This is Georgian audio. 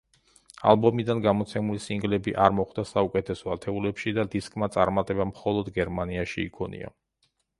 ალბომიდან გამოცემული სინგლები არ მოხვდა საუკეთესო ათეულებში და დისკმა წარმატება მხოლოდ გერმანიაში იქონია.